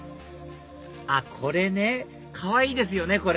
あっこれねかわいいですよね！